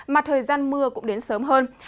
mà thời gian mưa cũng đến sớm hơn